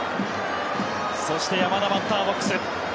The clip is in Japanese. そして、山田バッターボックス。